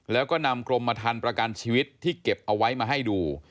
แล้วก็นำกรมทันประกันชีวิตที่เก็บเอาไว้มาให้ดู